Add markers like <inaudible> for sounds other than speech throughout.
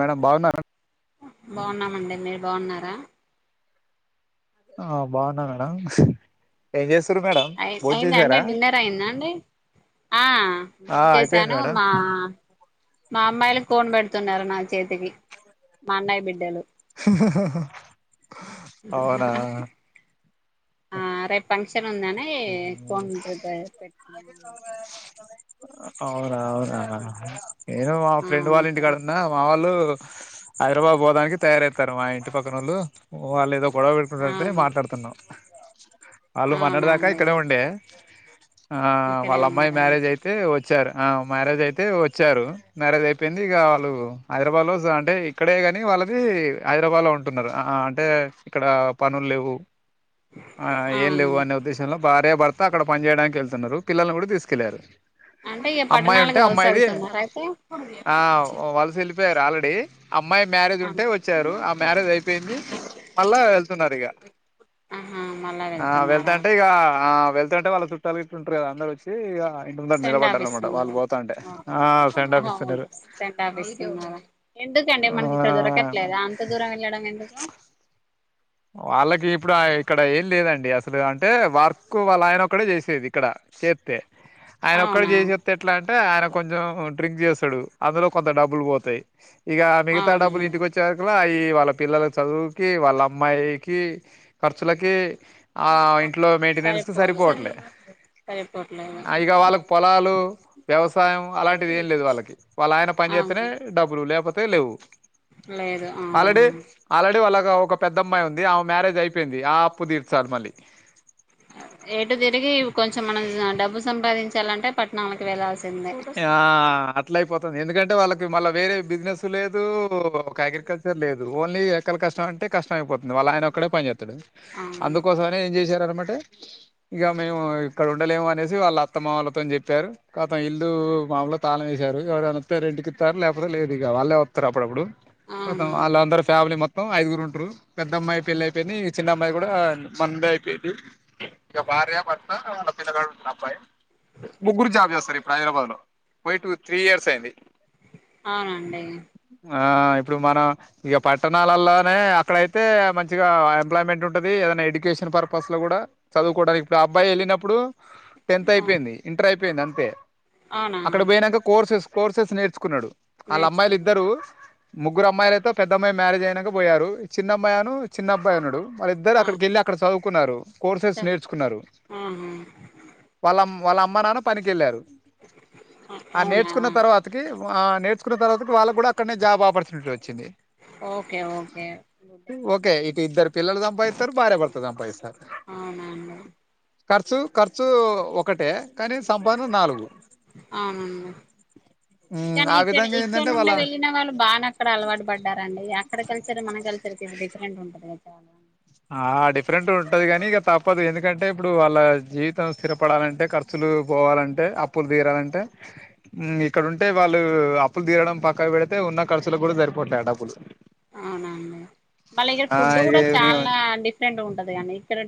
Madam బాగున్నారా బాగున్నామండి మీరు బాగున్నారా ఆ బాగున్నానా ఏం చేస్తా అయి అయిందా అండి డిన్నర్ అయిందా అండి ఆ భో ఆ అయిపోయింది చేశాను మేడం మా మా అమ్మాయిలకు కోన్ పెడుతున్నారు నా చేతికి మా అన్నయి బిడ్డలు ఆహాహా అవునా ఆ రేపు ఫంక్షన్ ఉందానే కొండద పెట్టున్నా అవురా అవురా నేను మా ఫ్రెండ్ అవును వాళ్ళ సార్ ఇంటికాడు ఉన్నా మా వాళ్ళు హైదరాబాద్ పోోదానికి తయారవుతారు మా ఇంటి పక్కన వాళ్ళు వాళ్ళు ఏదో గొడవ పెట్కుతే అవును మాట్లాడుతున్నాం అలు అవునా మనడద అండి ఇక్కడే ఉండే ఆ ఇక్కడే వాళ్ళ అమ్మాయి ఉన్నారా మ్యారేజ్ అయితే వచ్ వచ్చారు ఆ మ్యారేజ్ అయితే వచ్చారు. మ్యారేజ్ అయిపోయింది ఇగ వాళ్ళు హైదరాబాద్లో అంటే ఇక్కడే గని వాళ్ళది హైదరాబాద్లో ఉంటున్నరు. ఆ అంటే ఇక్కడ పనుల్ లేవు ఆ ఏం అవును లేవు అనే ఉద్దేశం భార్య, భర్త అక్కడ పని చేయడానికి ఎళ్తున్నరు పిల్లలను గుడా తీసుకెళ్లారు అంటే ఇక అమ్మాయి ఉంటే పట్టణాలకు వలస అమ్మాయిది వెళ్తున్నారా అయితే ఆ వలస ఎళ్ళిపోయారు ఆల్రెడీ అమ్మాయి మ్యారేజ్ ఉంటే వచ్చారు ఆ మ్యారేజ్ అయిపోయింది. మళ్ళా వెళ్తాన్నారు ఇగ ఆహా మళ్ళా ఆ వెళ్తున్నారా వెళ్తం ఆ వెళ్తుంటే వాళ్ళ చుట్టాలు గిట్ల ఉంటరు కదా అందరు వచ్చి ఇగ సెండ్ ఆఫ్ ఇస్తున్నారా ఆ సెండ్ ఆఫ్ ఇస్తున్నారు సెండ్ ఆఫ్ ఇస్తున్నారా ఎందుకండి ఆ మనకి ఇక్కడ దొరకట్లేదా అంత దూరం వెళ్ళడం ఎందుకు వాళ్ళకి ఇప్పుడు ఇక్కడ ఏం లేదండి అసలు అంటే వర్క్ వాళ్ళ ఆయన ఒక్కడే చేసేది ఇక్కడ చేత్తే ఆయన ఒక్కడ్ అవునా చేసోస్తే ఎట్లా అంటే ఆయన కొంచెం డ్రింక్ చేస్తాడు. అందులో కొంత డబ్బులు పోతాయి ఇగ మిగతా డబ్బులు అవునండి ఇంటికొచ్చే వర ఈ వాళ్ళ పిల్లల చదువుకి వాళ్ళ మైకి ఖర్చులకి ఆ ఇంట్లో మెయింటెనెన్స్కి సరిపోదు సరిపోవట్లే సరిపోట్లేదు ఆ ఇగ వాళ్ళకి పొలాలు, వ్యవసాయం అలాంటిది ఏం లేదు వాళ్ళకి వాళ్ళ ఆయన పని చేస్తనే అవును డబ్బులు లేకపోతే తే లేవు లేదు అవునా ఆల్రెడీ ఆల్రెడీ వాళ ఒక ఒక పెద్దమ్మాయి ఉంది. ఆమె మ్యారేజ్ అయిపోయింది ఆ అప్పు తీర్చాలి మళ్ళీ ఎటు తిరిగి కొంచెం మనం డబ్బు సంపాదించాలంటే పట్టణాలకి వెళ్లాల్సి ఆ అట్ల అయిపోతంది ఎందుకంటే వాళ్ళకి మళ్ళ వేరే బిజినెస్ లేదు ఒక అగ్రికల్చర్ లేదు ఓన్లీ ఎక్కల కష్టం అంటే కష్టం అయిపోతుంది. వాళ్ళ ఆయన ఒక్కడే పని చేస్ అవును అందుకోసమనే ఏం చేశార్ మాట ఇగ మేము ఇక్కడ ఉండలేము అనేసి వాళ్ళ అత్తమ్మ వాళ్లతోని చెప్పారు కథం ఇ ల్లు మామూలుగ తాళం ఏసారు ఎవరైన వస్తె రెంట్కిస్తారు లేకపోతే లేదు ఇగ వాళ్ళే వస్తారు అప్పుడప్పుడు అవునా ఆలందరు ఫ్యామిలీ మొ త్తం ఐదుగురు ఉంటరు. పెద్ద అమ్మాయి పెళ్లి అయిపోయింది. చిన్న అమ్మాయి గుడా మండే అయిపోయింది. ఇగ భార్య, భర్త వాళ్ళ పిల్లగాడు ఉంటడు అబ్బాయి ముగ్గురు జాబ్ చేస్తారు హైదరాబాద్లో పోయి టు త్రీ ఇయర్స్ అయింది. ఆవునండి ఆ ఇప్పుడు మన ఇగ పట్టణాలల్లోనే అక్కడయితే మంచిగా ఎంప్లాయ్మెంట్ ఉంటుది ఏదైనా ఎడ్యుకేషన్ పర్పస్ లో కూడా చదువుకోవడానికి ఇప్పుడు అబ్బాయి ఎళ్ళినప్పుడు టెన్త్ అయిపోయింది ఇంటర్ అయిపోయింది అంతే. అవునా అక్కడ పోయినాంక కోర్సెస్ కోర్సెస్ నేర్చుకున్నడు ఆళ్ల అమ్మాయిలు నేర్చుకున్నా ఇద్దరు ముగ్గురు అమ్మాయిలయి పెద్దమ్మాయి మ్యారేజ్ అయినంక పోయారు చిన్నమ్మాయను చిన్న అబ్బయున్నడు వాళ్లిద్దరూ అవును అక్కడకెళ్లి అక్కడ సదు కున్నారు కోర్సెస్ నేర్చుకున్నారూ, ఆహా వాళ్ళ వాళ్ళ అమ్మ నాన్న పనికెళ్ళారు. ఆ అవునా నేర్చుకున్న తర్వాతకి ఆ నేర్చుకున్న తర్వాత కి వాళ్ళ కూడా అక్కడనే జాబ్ ఆపర్చునిటీ వచ్ వచ్చింది. ఓకే ఓకే అవునండి ఓకే ఇక ఇద్దరు పిల్లలు సంపాదిత్తరు, భార్యాభర్తలు సంపాదిస్తరు. అవున అండి ఖర్చు ఖర్చు ఒకటే, కానీ సంపాదన నాలుగు. అవునండి, ఉమ్, కానీ ఆ ఇక్కడ విధంగా ఇక్కడ ఏంటంటే వాళ్ళ నుండే వెళ్ళిన వాళ్ళు బానే అక్కడ అలవాటు పడ్డారండి అక్కడ కలిచరు మన కలిచర్కి ఇది డిఫరెంట్ ఉంటది. చాలా ఆ డిఫరెంట్ ఉంటది గని ఇగ తప్పదు ఎందుకంటే ఇప్పుడు, వాళ్ళ జీవితం స్థిరపడాలంటే ఖర్చులు పోవాలంటే, అప్పులు తీరాలంటే, ఇక్కడ ఉంటే వాళ్ళు అప్పులు తీరడం పక్కకు పెడితే, ఉన్న ఖర్చులు కూడా సరిపోట్లే ఆ డబ్బులు ఆహా మళ్ళీ ఇక్కడ ఆ ఫుడ్ కూడా ఇ మేము చాలా డిఫ్ రెండు ఉంటది గనీ ఇక్కడె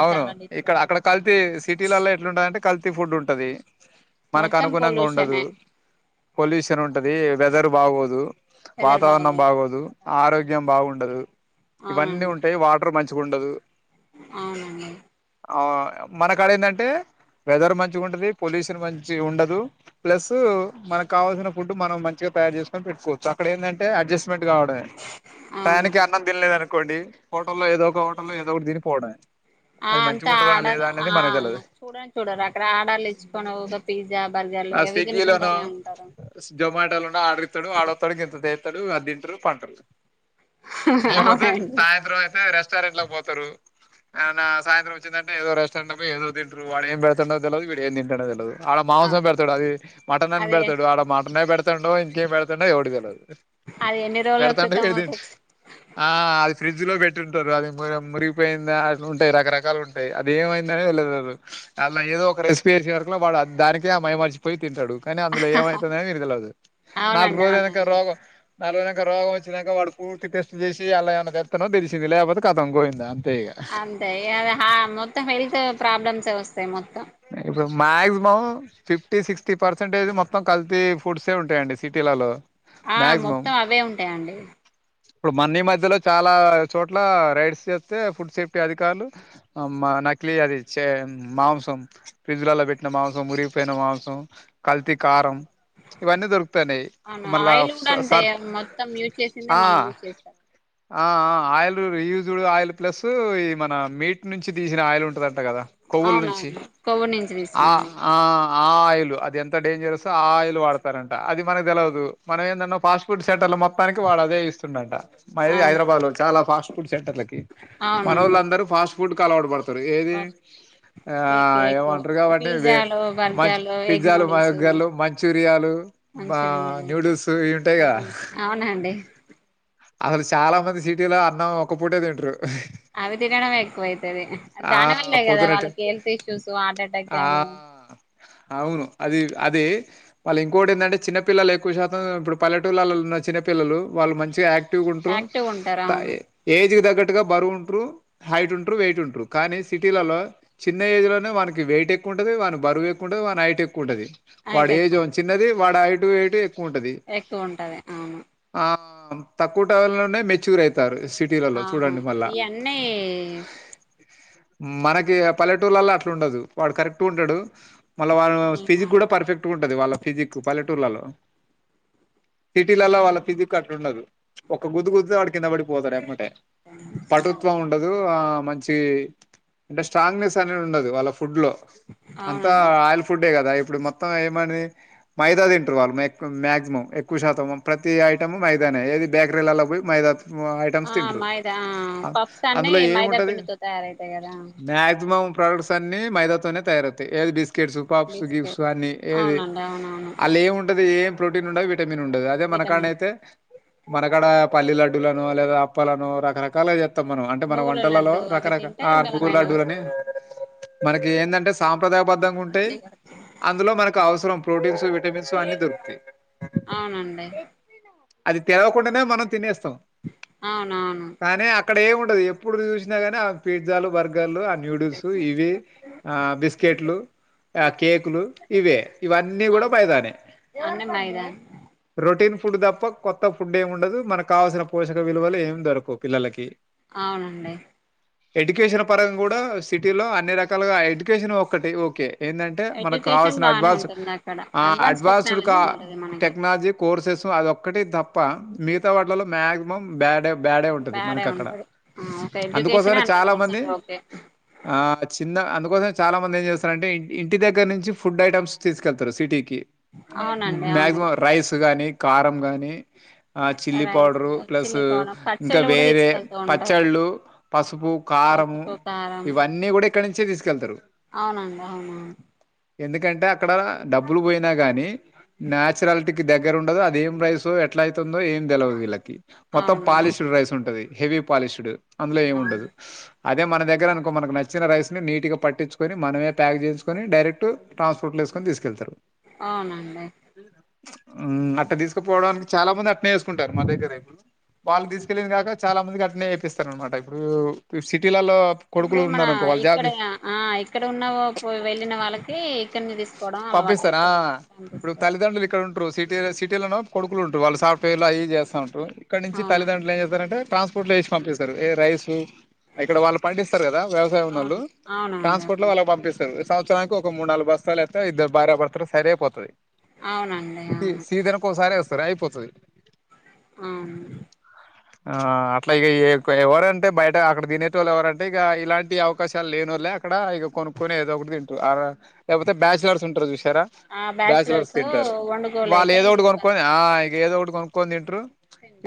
అవును ఇక్కడ అక్కడ కల్తీ సిటీలలో ఎట్లుంటదంటే కల్ తీ ఫుడ్ ఉంటది. మొత్తం మనకనుగుణంగా ఉండదు, పొల్యూషనే పొల్యూషన్ ఉంటది. వెదర్ బాగోదు వెదర్ వాతావరణం బాగో బాగోదు, ఆరోగ్యం బాగుండదు, ఇవన్నీ ఉంటయి వాటర్ మంచి చిగుండదు ఆవునండి అవును మన కాడ ఏందంటే, వెదర్ మంచిగా ఉంటంది. పొల్యూషన్ మంచి ఉండదు, ప్లస్ మనకు కావాల్సిన ఫుడ్ మనం మంచిగా తయారు చేసుకొని పెట్టుకోవచ్చు, అక్కడ ఏంటంటే అడ్జస్ట్ మెంట్ కావడమే, టైయానిక్ అన్నం తినలేదను కోండి హోటల్లో ఏదో ఒక ఉంటుంది, ఏదో ఒకటి తిని పోవడమే ఆ అంతా ఆడ ఆ తెలదు చూడనే చూడరు, అక్కడ ఆడర్లు తెచ్చుకోనో ఒక పిజ్జా. బర్గర్లు ఆ అవి స్విగ్గీ లోనో తినుకుంటూనే ఉంటారు జొమాటో లోనో ఆడరిస్తడు ఆడు వస్తడు గింత తడు అది తింటరు పాంటరు. లేకపోతే, అవునండి సాయంత్రం అయితే రెస్ట్. సారి ఎట్లా పోతారు, ఆ నా సాయంత్రం వచ్చిందంటే ఏదో రెస్టారెంట్ పోయి ఏదో తింటరు వాడు ఏం పెడతాండో తెలియదు, వీడు ఏం తింటాండో తెలియదు. అడ మాంసం అవును పెడ్ తడు అది మటన్ అని అదే పెడ్తాడు ఆడ మ మన్నే పెడతాండో ఇంకెంపెడతాండో ఎవడికి తెల్వది అది ఎన్ని రోజుల పెడతంటే క్రితం ఈడూ తెచ్ తింట్ఆ అది ఫ్రిడ్జ్ లో పెట్ తింటుర్రు అది మురిగిపోయిందా అట్లు ఉంటాయి రకరకాలు ఉంటాయి అది ఏమైంద అని ఎవలకి తెలవదు అళ్ల ఏదో ఒక రెసిపీ వసే వరకు వాడ అది దాని కే ఆ మైమరచి పోయి తింటడు కానీ అందులో ఏమైతదని ఇడీకి తెలవదు నాలుగు అవునండి రోజులు ఐనంక అవునండి రోగం ఆడికిపోయినంక రోగం వచ్చింక వాడు పూర్తి టెస్ట్ చేసి అల్ల ఎమన్నా తెల్తనో తెలిసింది లేకపోతే కతం గోయిందా అం అంతే ఇఅద హా మొత్తం హెల్త్ ప్రాబ్లమ్స్ వస్త ఇప్పుడు maximum fifty six fifty percentage మొత్తం కలితీ ఫుడ్సే ఉంటాయండి సిటీలలో ఆ మాక్సిమం మొత్తం అవే ఉంటాయండి ఇప్పుడు మన్నీ మధ్యలో చాలా చోట్ల రైడ్స్ చేస్తే ఫుడ్ సేఫ్టీ అధికారులు నకిలీ అది చే మాంసం ఫ్రిడ్జ్లలో పెట్టిన మాంసం మురిగిపోయిన మాంసం కల్తీ కారం ఇవన్నీ దొరుకుతాన్నాయి అవున మళ్ళా ఆయిల్ కూడా స- అంతే సర్ప్ మొత్తం యూజ్ చేసిందే ఆ మళ్ళీ యూజ్ చేస్తారు ఆ ఆయిల్ రియూజడ్ ఆయిల్ ప్లస్ ఈ మన మీట్ నుంచి తీసిన ఆయిల్ ఉంటదంట కదా కొవ్వుల నుంచి అవునవును కొవ్వు నుంచిసిన ఆ ఆయిల్ ఆ ఆయిల్ అది ఎంత డేంజరస్ ఆ ఆయిల్ వాడతారంట అది మనకు తెలవదు మనం ఏందన్నా ఫాస్ట్ ఫుడ్ సెంటర్ల మొత్తానికి వాడు అదే ఇస్తుండంట మా ఇది అవును హైదరాబాద్ లో చాలా ఫాస్ట్ ఫుడ్ సెంటర్లకి అవునండి మనోళ్ళందరూ ఫాస్ట్ ఫుడ్ కాలవాటు పడు ఏది ఎగ్ ఆ ఎగ్ ఏవోంటరు వాటిని పిజ్జాలు మంచి బర్గర్లు ఎగ్ పిజ్జాలు నూడిల్స్ భార్గర్లు మంచూరియాలు మంచూరియా న్యూడిల్స్ ఇవి ఉంటాయి్ కదా అవునండి అసలు చాలా మంది సిటీలో అన్నం ఒక పూటే తింటారు అవి తినడం వక్కువై పో తది ఆ దానివల్లే కదా పొద్దునట్టు వాళ్ళకి హెల్త్ ఇష్యూస్ హార్ట్ ఎటాక్ ఆ లు అన్ని వస్తా ఉంటాయి వాళ్ళ ఇంకోటి ఏందంటే చిన్న పల్లలు ఎక్కువ శాతం ఇప్పు పల్లెటూరులలో ఉన్నపిల్లలు వాళ్ళు మంచిగా యాక్ క్టివ్ గా ఉంటరు యాక్టివ్ ఉంటారు అవును ఏజ్ కు దగ్గ ట్టుగా బరువు ఉంట్రు హైట్ ఉంట్రు వెయిట్ ఉంట్రు కానీ సిటీలలో చిన్న ఏజ్ లోనే వాననికి వెయిట్ ఎక్కువుంటది వాని బరువు ఎక్కువ్వుంటది వాని హైట్ ఎక్కు ఉంటది హైట్ వాడు ఏజ్ ఎక్కువ ఏంమో చిన్నది వాడయిటు వెయిటు ఎ క్కు ఉంటది ఎక్కువ ఉంటది అవును ఆ తక్కువ <unintelligible> మెచ్యూర్ అయితారు అవును ఈ అన్నే మనకి పల్లెటూరులలో అట్లా ఉండదు వాడు కరెక్ట్ ఉంటాడు మళ్ళ వాళ ఫిజిక్ కూడా పర్ఫెక్ట్ గా ఉంటది వాళ్ళ ఫిజిక్ పల్లెటూర్లలో సిటీలలో వాళ్ళ ఫిజిక్ అట్ల ఉండదు ఒక గుద్దుగుద్దుతే వాడికి కింద పడి పోతడు ఎమ్మటే పటుుత్వం ఉండదు ఆ మంచి అంటే స్ట్రాంగ్నెస్ అనేది ఉండదు వాళ్ళ ఫుడ్ లో అంతా అవునండి ఆయిల్ ఫుడ్డే కదా ఇప్పుడు మొత్తం ఏమ్ బాగుంటుంది మైదా తింటారు వాళ్ళు మేక్ మాక్సిమం ఎక్కువ శాతం ప్రతి ఐటమ్ మైదానే ఏది బేకరీలలో పోయి మైదా ఐటమ్స్ ఆ తింటరు మైదా అందులో ఏముంటది తయారు అయితాయ్ కదా మం ప్రాడక్ట్స్ అన్ని మైదాతోనే తయారవుతాయ్ ఏది biscuits puffs gifts biscuit అన్ని ఏది అవునండి అవునవును అలా ఏముంటది ఏం ప్రోటీన్ ఉండవి వి విటమిన్ ఉండదు అదే విటమిన్ మనకాన్నయితే మనకాడ పల్లీ లడ్డూలనో లేదా అప్పలనో రకరకాల గా చె త్తం మనం అంటే మన నువ్వుల వంటలలో లడ్డు అవి రకరక తింటే ఆ న నువ్వుల బలమైన లడ్డూలని వస్తువులు మనకి ఏందంటే సాంప్రదాయ పద్దంగ ఉంటాయి అందులో మనకు అవసరం ప్రోటీన్స్ వి విటమిన్స్ అన్ని దొరుకుతాయి అవునండి అది తెల్వకుండానే మనం తినేస్ స్తాం అవునవును కానీ అక్కడ ఏం ఉన్ టాది ఎప్పుడూ చూసిన గాని ఆ పిజ్జాలు బర్గర్లు న్యూడిల్స్ ఇవె ఆ బిస్కెట్లు ఆ కేకులు ఇవే ఇవన్నీ కూడా అవును బైదానే అన్ని మైదా రొటీన్ ఫుడ్ తప్ప కొత్త ఫుడ్డే ముండదు మనకు కావాల్సిన పోషక విలువలు ఏం దొరకవు పిల్లలకి అవునండి ఎడ్యుకేషన్ పరంగా గూడ సిటీలో అన్ని రకాల గా ఎడ్యుకేషన్ ఒకటే ఒకే ఎందంటే మనకు ఎడ్యుకేషన్ కావాల్సిన బానే అడ్వాన్స్ ఉంటుంది అక్కడ ఆ అడ్వాన్స్ అడ్వాన్స్డ్ టెక్నాలజీ కా ఉంటది మనకి టెక్నాలజీ కోర్సెస్ అది ఒక్కటి తప్ప మిగతా వాట్లలో మాక్సిమం బ్యాడ్ ఎ బ్యాడే ఉంటది బ్యాడే మనకి అక్కడ ఉంటది ఓకే ఎడ్యుకేషన్ అందుకోసమనే హండ్రెడ్ చాలా మంది పర్సెంట్ ఓకే ఆ చిన్న అ అందుకోసమే చాలా మంది ఏం చేస్తారంటే ఇ ఇంటి దగ్గర నుంచి ఫుడ్ ఐటమ్స్ తీసుకెళ్తారు సిటీకి ఇ అవునండి అవును మ్యాక్సిమం రైస్ గాని కారం గని ఆ chilli rice powder chilli plus powder ఇంకా పచ్చళ్ళు కూడా వేరే తీసుకెళ్తూ ఉంటారు పచ్చలు పసుపు కారము పసుపు ఇవ్వని కూడా ఇక్కడ్ ఇక్కడినుంచే తీసుకెళ్తారు అవునండీ అవును అవును ఎందుకంటే అక్ అక్కడ డబ్బులు పోయిన గాని న్యాచురల్ ఇంటికి దగ్గర ఉండదు అదేం రైసో ఎట్లా అయి <unintelligible> ఏం తెల్వది వీళ్ళకి మొత్తం అవునండి పాలిష్డ్ రైస్ ఉంటుంది హెవీ పాలిష్డ్ అందులో ఏం అవును ఉండదు అదే మన దగ్గర అనుకో మనకి నచ్చిన రైస్నీ నీట్గా పట్టించుకొని మనమే ప్యాక్ చేసుకుని డైరెక్ట్ ట్రాన్స్పోర్ట్ లో వేసుకొని తీసుకెళ్తారు అవునంట అట్ట తీసుకుపోవడానికి చాలా మంది అట్నే వేసుకుంటారు మా దగ్గరే వాళ్ళు తీసుకెళ్ళింది గాక చాలా మందికి అట్నే వేపిస్తారు అన్నమాట ఇప్పుడు సి ఇప్పుడు మన ఇక్కడ ఆ ఇక్కడ ఉన్నా పో వెళ్ళిన వాళ్ళకి కొన్ని థిస్ పంపిస్తారా ఇప్పుడు తల్లిదండ్రులు ఇక్కడ ఉన్ ఇప్పు సిటీ సిటీలో కొడుకు ఉంటుారు వాళ్ళ సాఫ్ట్వేర్లా ఇవి చేస్తా ఉంటారు ఇక్కడ నుంచి అవునండి తల్లిదండ్రులు ఏ చేస్తారంటే ట్రాన్స్పోర్ట్ లో వేసి పంపిస్తారు రైస్ ఇక్కడ వాళ్ళు పండిస్తారు కదా వ్యవసాయం ఉన్నళ్ళు అవును అవునండి ట్రాన్స్పోర్ట్ లో అవును వాళ్ళ పంపిస్తారు సంవత్సరానికి ఒక మూడు నాలుగు బస్తలు ఇద్ద భార్య భర్తలు సరేపో పోతుది అవునండి అవును సీదనకు సారే సరే అయిపోతుది అవును ఆ అట్లా ఇ ఎవరంటే బయట అక్కడ తినేట వాళ్ళు ఎవరంటే ఇక ఇలాంటి అవకాశాలు లేని వాళ్లే అక్కడ ఇక కొనుక్కకుొని ఏదో ఒకటి తింటారు లేకపోతే ఉంటారు చుారా బ్యాచలర్స్ తింటారు వాళ్ళు వండుకోలేక ఏదోటి ఇబ్బంది కొనుక్కొని పడట్లేదు ఇక ఏద ఒకటి కొ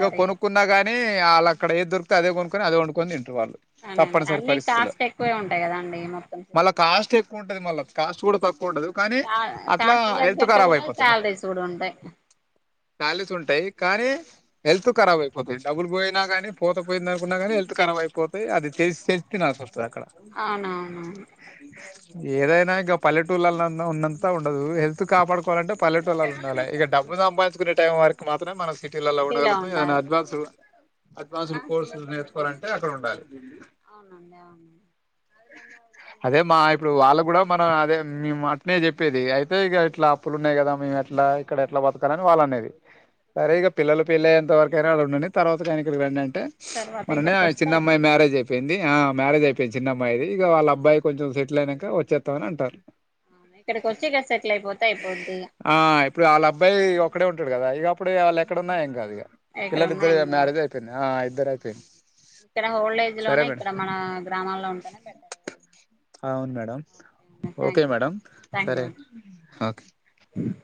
ఇవ ఇగ కొనుకున్నగా అళ్ అక్కడ ఏ దొరికితే అదే కొనుకనిదే కొనుక్కని తంట వాళ్ళు అవునండి తప్పనిసరి అన్ని పరిస్థితులో కాస్ట్ ఎక్కువే ఉంటాయి కదా అండి మొత్తం మళ్ళా సిటీలో కాస్ట్ ఎక్కువ ఉంటది మళ్ళా కాస్టుగూడ తక్ కుండదు కానీ అట్లా కాస్ట్ హెల్త్ తగ్గట్టు కరాబ్ కూడా అయిపోతది శాలరీస్ కూడా ఉంటాయి సాలీస్ ఉంటయ్ కానీ హెల్త్ కరాబ్ అయిపోతా డబులు పోయినా కాని పోత పోయింద అనుకున్నా కానీ హల్త్ కరబయిపో తే అది చెస్ సెప్పి నాకు అవునవునవును ఏదైనా ఇంక పల్లెట్ టుల్లాల అన్న ఉన్నంత ఉండదు హెల్త్ కాపాడుకోవాలంటే పల్లెటూల్లల ఉండాల ఇగ డబ్బు సంపాదించుకును తేమ్ వర్క్ మాత్రేమే మనస్ సిటీలల సిటీలో ఉండగలుగుతాం ఏ ఉండాలి అడ్వాన్ అడ్వాన్స్ కోర్సులు నేర్చుకోవాలంటే అక్కడ ఉండాలి అవునండి అవును అదే మా ఇప్పుడు వాళ్ళ కూడా మనం అదే ఈ మాట్నే చెప్పేది అయితే ఇగ ఇట్లా ప్పులు ఉన్నాయి కదా మీ అట్లా ఇక్కడ ఎట్లా బతకాలని వాళ్ళ అనేది సరే ఇక పిల్లలు పళ్ళేంతరకైనా అళ ఉండండి తరవాత కానీకాడికి రండండ్ తర్వాత మోననే ఆ ఇక్కడికి వస్తే చిన్నమ్మాయి అయిపోతు మ్యారేజ్ అయిపోయింది ఆ అవును మ్యారేజయిపోయింది చిన్నమ్మాయిది ఇగ వాళ్ళ అబ్బాయి కొంచెం సెటిల్ అయినం క వచ్చేతమని అంటారు అవును ఇక్కడికి వచ్చి ఇక్కడ సెటిల్ అయిపోతే అయిపోద్ది ఇక ఆ ఇప్పుడు ఆళ్ళ అబ్బాయి ఒక్కడే ఉంటడు గదా ఇగప్పుడు ఆళ్ళు ఎక్కడ ఉన్నా ఏం గ ఏంగదిగా ఎక్కడ ఉన్నా పిల్లలిద్దరు ఏం ఇగ కాదు మ్యారేజ్ అయిపోయింది ఆ అయ్ ఇద్దరయిపోయింది ఇక్కడ ఓల్డ్ ఏజ్ లోనే ఇక్కడ మన గ్రామాల్లో ఉంటేనే బెటర్ ఇగ ఆవును madam okay madam thank you సరే అండి ఓకే